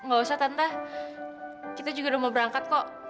gak usah tante kita juga udah mau berangkat kok